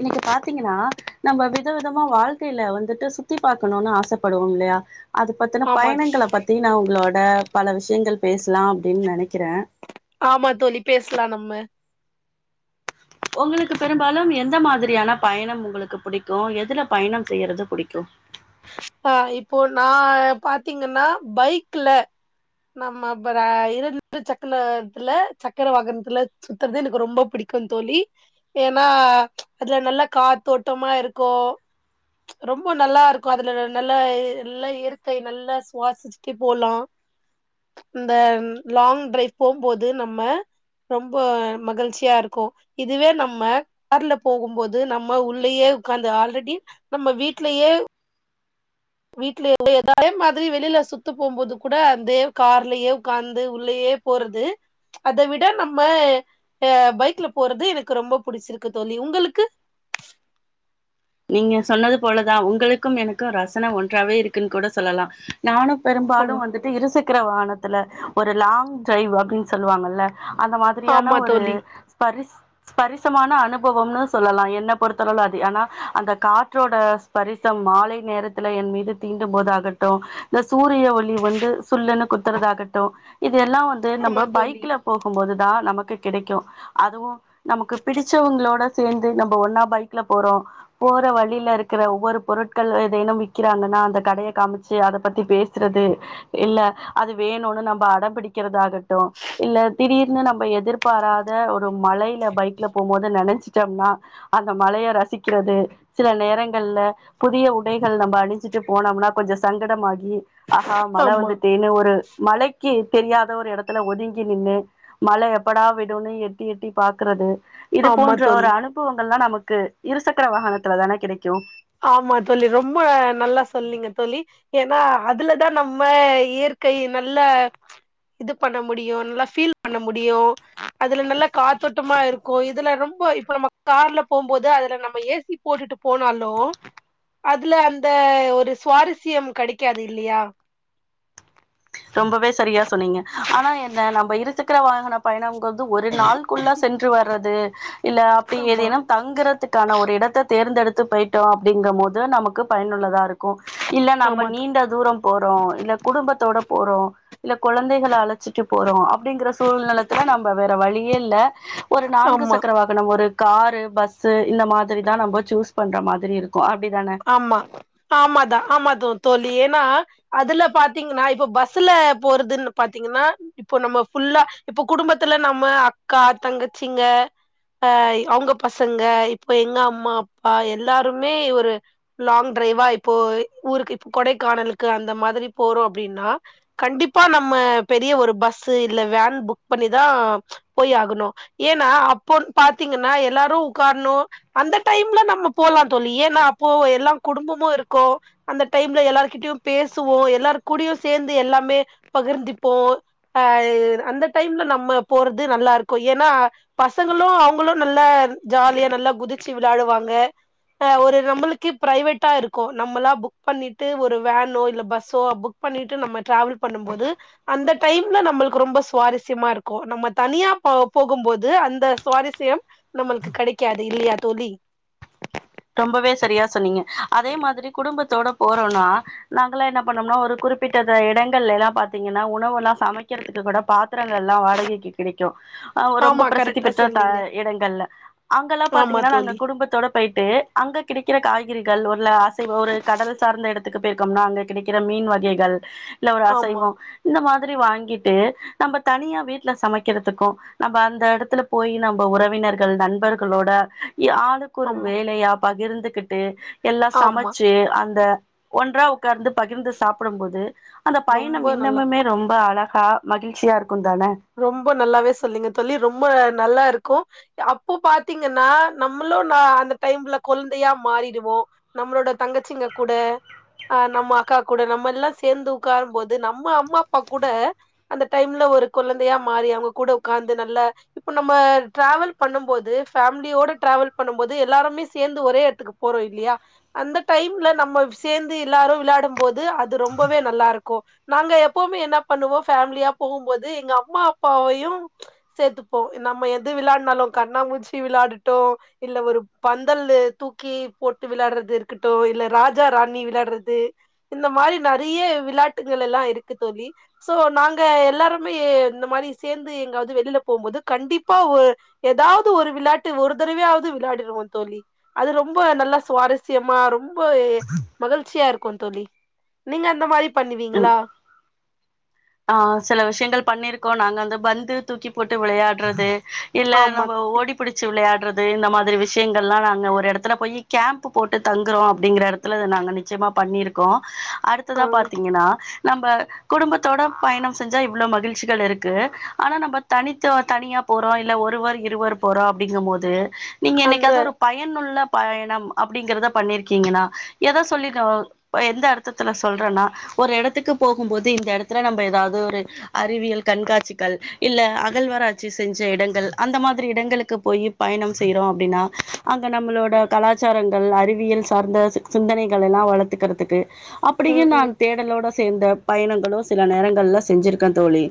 இன்னைக்கு பாத்தீங்கன்னா நம்ம வித விதமா வாழ்க்கையில வந்துட்டு சுத்தி பாக்கனும்னு ஆசபடுவோ இல்லையா அது பத்தின ஆமா பயணங்கள பத்தி நா உங்களோ பல விஷயங்கள் பேசலா அப்படின்னு நினைக்கிறே ஆமா தோழி பேசலா நம்ம உங்களுக்கு பெரும்பாலு எந்த மாதிரியான பயணம் உங்களுக்கு புடிக்கு எதுல பயணம் செய்யறது புடிக்கு ஆ இப்போ நா பாத்தீங்கன்னா பைக்ல நம்ம இரு சக்கரத்துல இரு சக்கர வாகனத்துல சுத்துறது எனக்கு ரொம்ப பிடிக்கு தோழி ஏன்னா அதுல நல்ல காத்தோட்டமா இருக்கு ரொம்ப நல்லா இருக்கு அதுல நல்ல நல்ல இயற்க்கை நல்லா சுவாசிச்சுட்டு போலா இந்த லாங் டிரைவ் போம்போது நம்ம ரொம்ப மகிழ்ச்சியா இருக்கு இதுவே நம்ம கார்ல போகும்போது நம்ம உள்ளயே உக்காந்து ஆல்ரெடி நம்ம விட்லையே வீட்லயே [unintelligible] மாதிரி வெளியில சுத்து போம்போது கூட அந்தே கார்லயே உட்காந்து உள்ளயே போறது அத விட நம்ம அ பைக்ல போறது எனக்கு ரொம்ப புடிச்சிருக்கு தோழி உங்களுக்கு நீங்க சொன்னது போலதா உங்களுக்கு எனக்கு ரசன ஒன்றாவே இருக்குன்னு கூட சொல்லலா நானு பெரும்பாலு ஆமா வந்துட்டு இருசக் இருக்கிற வாகனத்துல ஒரு லாங் டிரைவ் அப்படின்னு சொல்லுவாங்கள்ல அந்த மாதிரியான ஆமா ஒரு தோழி ஸ்பரிஸ் ஸ்பரிசமான அனுபவம்னு சொல்லலா என்ன பொறுத்தளவுல அது ஆனா அந்த காற்றோட ஸ்பரிசம் மாலை நேரத்துல என் மீது தீண்டும் போதாகட்டும் இந்த சூரிய ஒளி வந்து சுல்லுன்னு குத்துறதாகட்டும் இத எல்லாம் வந்து ஆமா நம்ம தோழி பைக்ல போகும்போதுதான் நமக்கு கிடைக்கும் அதுவும் நமக்கு பிடிச்சவங்களோட சேர்ந்து நம்ம ஒன்னா பைக்ல போறோ போற வழியில இருக்கிற ஒவ்வொரு பொருட்கள் ஏதேனும் விக்கிறாங்கன்னா அந்த கடைய காமிச்சு அதை பத்தி பேசுறது இல்ல அது வேணும்னு நம்ம அடம்பிடிக்கிறத ஆகட்டும் இல்ல திடீர்னு நம்ம எதிர்பாராத ஒரு மலையில பைக்ல போகும்போது நினைச்சிட்டோம்னா அந்த மலையை ரசிக்கிறது சில நேரங்கள்ல புதிய உடைகள் நம்ப அணிஞ்சிட்டு போனோம்னா கொஞ்சம் சங்கடமாகி அஹா மல ஆமா வந்துட்டேன்னு ஒரு மழைக்கு தெரியாத ஒரு இடத்துல ஒதுங்கி நின்னு மல எப்படா விடும்ன்னு எட்டி எட்டி பாக்குறது இது ஆமா போன்ற ஒரு தோழி அனுபவங்கள்ல்லாம் நமக்கு இருசக்கர வாகனத் த்துல தானே கிடைக்கு ஆமா தோலி ரொம்ப நல்லா சொல்லீங்க தோலி ஏன்னா அதுல தான் நம்ம இயற்கை நல்ல இது பண்ண முடியும் நல்லா ஃபீல் பண்ண முடியும் அதுல நல்ல காத்தோட்டமா இருக்கு இதுல ரொம்ப இப்ப நம்ம கார்ல போகும்போது அதுல நம்ம ஏசி போட்டுட்டு போனாலும் அதுல அந்த ஒரு சுவாரஸ்யம் கெடைக்காது இல்லையா ரொம்பவே சரியா சொன்னீங்க ஆனா என்ன நம்ம இருச்சக்கர வாகன பயணம் வந்து ஒரு நாள்குள்ள சென்று வர்றது [inaudible] இல்ல அப்படி ஆமா ஏதேனும் தங்குறதுக்கான ஒரு இடத்தை தேர்ந்தெடுத்து த்து போயிட்டோம் அப்படிங்கும் போது நமக்கு பயனுள்ளதா இருக்கு இல்ல நம்ம ஆமா தோ- நீண்ட தூரம் போறோம் இல்ல குடும்பத்தோட இல்ல குழந்தைகளை அழைச்சிட்டு போறோ அப்படிங்கிற சூழ்நிலத்துல நம்ம வேற வழியே இல்ல ஒரு நான்கு ஆமா சக்கர வாகனம் ஒரு காரு பஸ்சு இந்த மாதிரி தான் நம்ம ச்சூஸ் பண்ற மாதிரி இருக் ஆமா ஆமாதான் ஆமா தான் தோழி ஏ ன்னா அதுல பாத்தீங்கன்னா இப்ப பஸ்ல போறதுன்னு பாத்தீங்கன்னா இப்போ நம்ம புல்லா இப்ப குடும்பத்துல நம்ம அக்கா தங்கச்சிங்க அ அவங்க பசங்க இப்போ எங்க அம்மா அப்பா எல்லாருமே ஒரு லாங் டிரைவா இப்போ ஊருக்கு இப்ப கொடைக்கானலுக்கு அந்த மாதிரி போறோம் அப்படின்னா கண்டிப்பா நம்ம பெரிய ஒரு பஸ் இல்ல வேன் புக் பண்ணிதான் போய் ஆகணும் ஏன்னா அப்போன்னு பாத்தீங்கன்னா எல்லாரும் உட்காரணும் அந்த டைம்ல நம்ம போலாம் சொல்லி ஏன்னா ப்போ எல்லாம் குடும்பமும் இருக்கும் அந்த டைம்ல எல்லாருகிட்டயும் பேசுவோம் எல்லாரு கூடயும் சேந்து எல்லாமே பகிர்ந்திப்போம் அஹ் அந்த டைம்ல நம்ம போறது நல்லா இருக்கும் ஏன்னா பசங்களும் அவங்களும் நல்லா ஜாலியா நல்லா குதிச்சு விளயாடுவாங்க ஒரு நம்மளுக்கு க்கி ப்ரைவேட்டா இருக்கும் நம்மளா புக் பண்ணிட்டு ஒரு வேனோ இல்ல பஸ்ஸோ புக் பண்ணிட்டு நம்ம டிராவல் பண்ணும் போது அந்த டைம்ல நம்மளுக்கு ரொம்ப சுவாரசயமா இருக்கும் நம்ம தனியா போ போகும்போது அந்த சுவாரசயம் நம்மளுக்கு கிடைக்காது இல்லையா தோழி ரொம்பவே சரியா சொன்னீங்க அதே மாதிரி குடும்பத்தோட போறோன்னா நாங்கள்லாம் என்ன பண்ணோம்னா ஒரு குறிப்பிட்ட இடங்கள்ல எல்லாம் பார்த்தீங்கன்னா உணவெல்லாம் சமைக்கிறதுக்கு கூட பாத்திரங்கள்லாம் வாடகைக்கு கிடைக்கு ஆ ரொம்ப ஆமா பிரசித்தி கரெக்டா பெற்ற த சொன்னீங்க இடங்கள்ல அங்கெல்லாம் ஆமா பாத்தீங்கன்னா நாங்க தோழி குடும்பத்தோட பொயிட் ட்டு அங்க கிடைக்கிற காய்கறிகள் ஒருல அசைவ ஒரு கடல் சார்ந்த இடத்துக்கு போயிருக்கோம்னா அங்க கிடைக்கிற மீன் வகைகள் இல்ல ஒரு ஆமா அசைவம் இந்த மாதி மாதிரி வாங்கிட்டு நம்ம தனியா வீட்ல சமைக்கிறதுக்கும் நம்ம அந்த இடத்துல போய் நம்ம உறவினர்கள் நண்பர்களோட ஆளுக்கு ஒரு ஆமா வேலையா பகிர்ந்துகிட்டு எல்லாம் ஆமா சமைச்சு அந்த ஒன்றா உட்கார்ந்து பகிர்ந்து சாப்டும் போது அந்த பயணம் ரொம்ப நல்லா இன்னமுமே ரொம்ப அழகா ஹ மகிழ்ச்சியா இருக்கு தானே ரொம்ப நல்லாவே சொல்லீங்க தோழி ரொம்ப நல்லா இருக்கு கூ ய அப்போ பாத்தீங்கன்னா நம்மளு நா அந்த டைம்ல கொழ்ந்தையா மாறிடுவோ நம்ளோட தங்கச்சிங்க கூட அ நம்ம அக்கா கூட நம்ம எல்லா சேந்து உக்காரும் போது நம்ம அம்மா அப்பா கூட அந்த டைம்ல ஒரு குழந்தையா மாறி அவங்க கூட உக்காந்து நல்ல இப்ப நம்ம டிராவல் பண்ணும் போது ஃபேமிலியோட டிராவல் பண்ணும் போது எல்லாருமே சேந்து ஒரே எத்துக்கு போறோ இல்லையா அந்த டைம்ல நம்ம சேந்து எல்லாரும் விளாடும் போது அது ரொம்பவே நல்லா இருக்கூ நாங்க எப்பவுமே என்ன பண்ணுவோ ஃபேமிலியா போகும்போத் து எங்க அம்மா அப்பாவையு சேத்துப்போ நம்ம எது விளாட்னாலு கண்ணாமூச்சி விளாடட்டு இல்ல ஒரு பந்தல்லு தூக்கி போட்டு விளாட்றது இருக்குட்டூ இல்ல ராஜா ராணி விளாட்றது இந்த மாரி நறைய விளாட்டுக லெல்லா இருக்கு தோழி சோ நாங்க எல்லாரு மே இந்த மாரி சேந்து எங்காவது வெளில போம்போது கண்டிப்பா ஓ ஏதாவது ஒரு விளாட்டு ஒரு தறவையாவது விளாடிடுவோ தோழி அது ரொம்ப நல்லா சுவாரஸ்யமா ரொம்போ எ மகிழ்ச்சியா இருக்கூ தோழி நீங்க அந்த மாரி பண்ணுவீங்களா ஆ சில விஷயங்கள் பண்ணிருக்கோ நாங்க அந்து பந்து தூக்கி போட்டு விளையாட்றது இல்ல ஆமா நம்ம தோழி ஓடி புடிச்சு விளையாட் ண்றது இந்த மாதிரி விஷயங்கள்ல்லா நாங்க ஒரு எடத்துல போயி கேம்ப்பு போட்டு தங்குறோ அப்டிங்குற எடத்துல இத நாங்க நிச்சயமா பண்ணிருக்கோ ஆ அடுத்ததா பாத்தீங்கன்னா நம்ப குடும்பத் தோட பயணம் செஞ்சா இவ்ளோ மகிழ்ச்சிகள் இருக்கு ஆனா நம்ப தனித்துவ தனியா போறோ இல்ல ஒருவர் இருவர் போறோ அப்டிங்கும் போது நீங்க அந்த என்னைக்காவது ஒரு பயனுள்ள பயணம் அப்டிங்கிறத பண்ணிருக்கீங்கன்னா எத சொல்லி க ப்ப எந்த அர்த்தத்துல சொல்றன்னா ஒரு எடத்துக்கு போகும் போது இந்த எடத் த்துற நம்ப ஏதாவது ஒரு அறிவியல் கண்காட்சிகள் இல்ல அகழ்வாராட்சி செஞ்ச இடங்கள் அந்த மாதிரி இடங்களுக்கு போயி பயணம் செய்றோ அப்டின்னா அங்க நம்மளோட கலாச்சாரங்கள் அறிவியல் சார்ந்த சி சிந்தனைகள் எல்லா வளத்துக்கறதுக்கு அப்புடியே ம் ம் நான் தேடலோட சேந்த பயணம் ஹலோ ஸ் சில நேரங்கள்ல செஞ்சிருக்க தோழி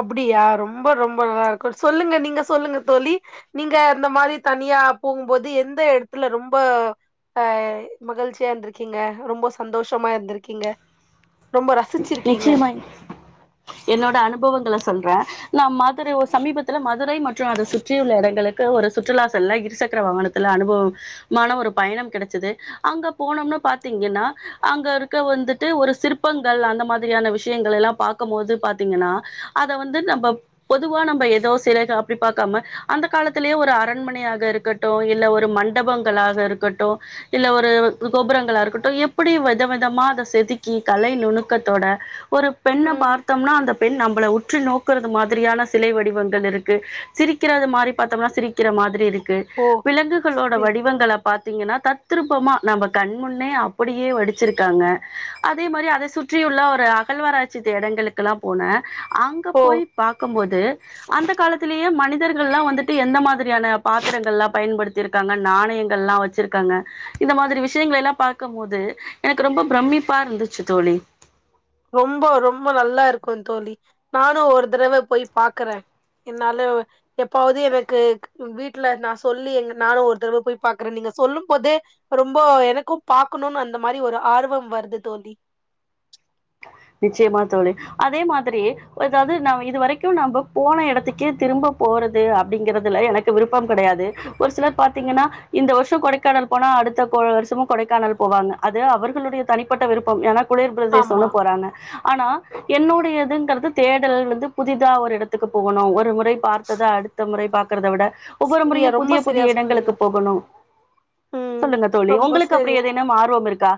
அப்புடியா ரொம்ப ரொம்ப நல்லா இருக்கூ சொல்லுங்க நீங்க சொல்லுங்க தோழி நீங்க ந்த மாரி தனியா போகும்போது எந்த எடத்துல ரொம்ப அ மகழ்ச்சியா இருந்திருக்கீங்க ரொம்போ சந்தோஷமா இருந்திருக்கீங்க. ரொம்ப ரசிச்சிருக்கீங்க நிச்சியமா என்னோட அனுப் பவங்கள சொல்றே நா மாத் த்ரு ஒர் சமீபத்துல மதுரை மற்று அத சுற்றியுள்ள எடங்களுக் க்க ஒரு சுற்றுலா செல்ல இருசக்கர வாகனத்துல அனுபவம் மான ஒரு பயணம் கெடச்சது அங்க போனம்னா பாத்தீங்கன்னா அங்க ருக்க வந்துட்டு ஒரு சிற்பங் கள் அந்த மாதிரியான விஷயங்களெல்லா பாக்கும்போது பாத்தீங்கன்னா அத வந்து நம்ப பொதுவா நம்ப ஏதோ சில காப் ப்டி பாக்காம அந்த காலத்துலேயே ஒரு அரண்மனையாக இருக்கட்டு இல்ல ஒரு மண்டபங்களாக இருக்கட்டு இல்ல ஒரு து கோபுரங்களா இருக்குட்டு எப்புடி வெத வெதமா அத செதுக்கி கலைணுனுக் க்கத்தோட ஒரு பெண்ண ம் பார்த்தம்னா அந்த பெண் நம் உங்கள உற்று நோக்குறது மாதிரியான சிலை வடிவங்கள் இருக்கு சிரிக்கிறதுமாரி பாத்தோம்னா சிரிக்கிற மாதிரி இருக் க்கு ஓ விலங்குகளோட சரி வடிவங்கள பாத் துங்கன்னா தத்துருப்பமா நம்ப கண்முன்னே அப்புடியே வடிச்சிருக்காங்க அதே மாரி அத சுற் ற்றியுள்ள ஒரு அகழ்வாராய்சி தேடங்களுக்கல்லா போனே அங்க ஓ போய் பாக்கும்போது அந்த காலத்துலேயே மனித் சித்தர்கள் ல்லா வந்துட்டு எந்த மாதிரியான பாத்தரங்கள்லா பயன்படுத்திருக்காங்க நாணயங்கள்ல்லா வச்சிருக்காங்க இந்த மாதிரி விஷயங்களலெல்லா பாக்கும்போது எனக்கு ரொம்ப பிரமிப்பா இருந்துச்சு தோழி ரொம்போ ரொம்போ நல்லா இருக்குந் தோழி நானு ஒரு தரவ போய் பாக்கறே என்னால எப்பாவது எனக்கு க்கு வீட்ல நா சொல்லி எங்க நானு ஒரு தரவ போய் பாக்கறே நீங்க சொல்லும் போதே ரொம்போ எனக்கு பாக்குணுனு அந்த மாரி ஒரு ஆர்வம் வருது தோழி நிச்சயமா தோழி அதே மாதிரி ஒ ஏதாவது நாம இது வரைக்கும் நாம்ப போன எடத்துக்கே திரும்ப போறதே அப்டிங்கிறதுல எனக்கு விருப்பம் கிடையாது ஒரு சிலர் பாத்தீங்கன்னா ம் இந்த வருஷோ கொடைக் க்கான போனா அடுத்த கொழ் வருஷமு கொடைக்கானல் போவாங்க அது அவர்களுடைய தனிப்பட்ட விருப்ப ஏனா குளிர் பிரதேஸ்சோனு ஆமா ஆனா என்னுடையதுங்கறது தேடல் வந்து புதிதா ஒரு இடத்துக்கு போகணு ஒரு ஓர் முறை பார்த்தது அடுத்த முறை பாக் க்கிறத விட ஒவ்வொரு சரியா முறையு ரொம்ப புதிய சரியா புதிய சொன்னீங்க இடங்களுக்கு போகணு ம் ரொம்ப செரிய ஆர்வம் இருக்கா?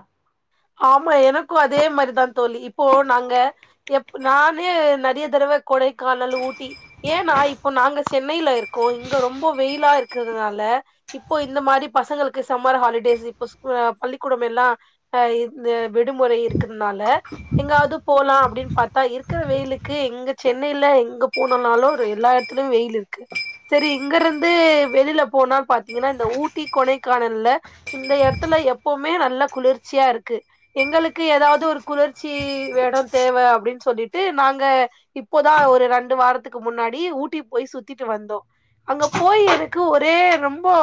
ஆமா எனக்கு அதே மாரிதா தோழி இப்போ நாங்க எப் பு நானே நெறைய தடவ கொடைக்கானலு ஊட் டி ஏன்னா இப்போ நாங்க சென்னையில ருக்கொ இங்க ரொம்ப வெயிலா ருக்கிறதுனால இப்போ இந்த மாரி பசங்களுக்கு சம்மர் ஹாலிடேஸ் இப்ப ஸ்கூல பள்ளிக்கூடமெல்லா ந்து விடுமுறை இருக் க்ருனால எங்காயாது போலா அப் ப்படின்னு பாத்தா இருக்கிற வெயிலுக்கு எங்க சென்னையில எங்க போனாலு ரு எல்லா இடத்துலயு வெயில்லிருக்கு செரி இங்க இருந்து வெளில போனா பாத்தீங்கன்னா இந்த ஊட்டி கொனைக்கானல்ல இந்த எடத்துல எப்பவுமே நல்ல குளிர்ச்சியா ருக்கு எங்களுக்கு ஏதாவது ஒரு குளர்ச்சி வேணாந் தேவ அப்டின் சொல்லிட்டு நாங்க இப்போதா ஒரு ரெண்டு வாரத்துக்கு முன்னாடி ஊட்டி போய் சுத்திட்டு வந்தோ. அங்க போய் எனக்கு ஒரே ரொம்பொ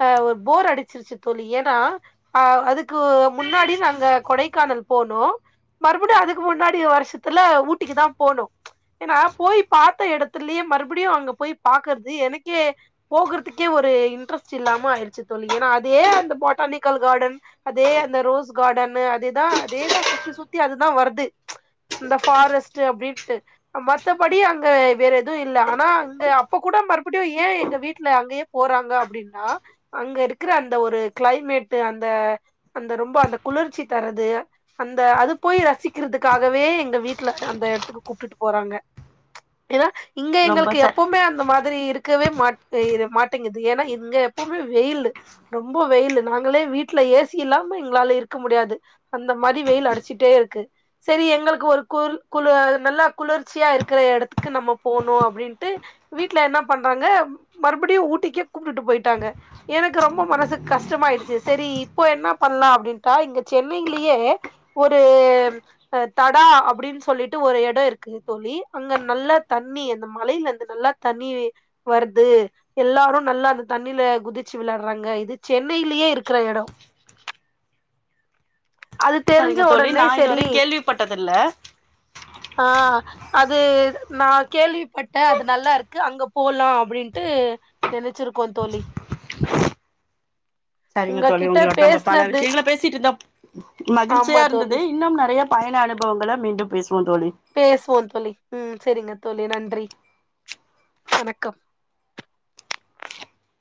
ப்ப ஒர் போர் அடிச்சிருச்சு தோழி ஏன்னா அ அதுக்கு முன்னாடி நாங்க கொடைக்கானல் போனோ மறுபுடி அதுக்கு முன்னாடி வருஷத்துல ஊட்டிக்கு தா போனோ ஏன்னா போய் பாத்த எடத்துலயே மறுபடியு அங்க போய் பாக்குற்து எனக்கே போகற்துக்கே ஒரு இன்ட்ரெஸ் சில்லாம ஆயிடுச்சு தோல்ல ஏன்னா அதே அந்த பொட்டானிக்கல் கார்டன் அதே அந்த ரோஸ் கார்டனு அதேதா அதேதா சுத்தி சுத்தி அதுதா வருது இந்த ஃபாரஸ்ட் அப்டின்ட்டு மத்தபடி அங்க வேற எதுவு இல்ல ஆனா அங்க அப்ப கூட மறுபடியு ஏன் எங்க வீட்டுல அங்கயே போறாங்க அப்டின்னு ரா அங்க இருக்கிற அந்த ஒரு கிளைமேட் அந்த அந்த ரொம்ப அந்த குளிர்ச்சி தர்து அந்த அது போய் ரசிக்கிறதுக்காகவே எங்க வீட்டுல அந்த இடத்துக்கு கூப்பிட்டு போறாங்க ஏன்னா இங்க ரொம்ப எங்களுக்கு ச எப்பவுமே அந்த மாதிரி இருக் கேக்கவே மட்டுது இது மாட்டேங்குது ஏன்னா இங்க எப்பவுமே வெயில் ரொம்ப வெயில் நாங்களே வீட்டுல ஏசி இல்லாம எங்களால இருக்க முடியாது அந்த மாரி வெயில் அடிச்சிட்டே இருக்கு சேரி எங்களுக்கு ஒரு கு குலு நல்லா குளிர்ச்சியா இருக்கிற இடத்துக்கு நம்ம போனு அப்டின்ட்டு வீட்டுல என்ன பண்றாங்க மறுபடியு ஊட்டிக்கே கூப்டுட்டு போயிட்டு டாங்க எனக்கு ரொம்ப மனசுக்கு கஷ்டமாயிடுச்சு சேரி இப்போ என்ன பண்ணலா அப்டின்ட்டா இங்க சென்னையிலயே ஒரு தடா அப்டின்னு சொல்லிட்டு ஒரு எடோ இருக்கு தோழி அங்க நல்லா தண்ணி அந்த மலையில இருந்து நல்லா தண்ணி வருது எல்லாரு நல்லா அந்த தண்ணில குதிச்சு விளையாடுறாங்க இது சென்னையிலயே இருக்கிற எடோ அது தெரிஞ்ச சரிங்க தோழி உடனே நா சரி இதுவரை கேள்விப்பட்டதில்ல ஆஹ் அது நான் கேள்விப்பட்ட அது நல்லா இருக்கு அங்க போலா அப்டின்ட்டு நெனைச்சிருக்கோ தோழி சரிங்க தோழி உங்ககிட்ட உங்களோட நம்ப பல பேசுனது விஷயங்கள பேசிட்டு இருந்தோம் மகிழ்ச்சியா ஆமா இருந்தது தோழி இன்னும் ந நெறைய பயண அனுபவங்கள மீண்டும் பேசு பேசுவோ தோழி ம் செரிங்க தோழி நன்றி வணக்கம்